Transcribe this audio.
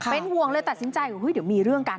เป็นห่วงเลยตัดสินใจเดี๋ยวมีเรื่องกัน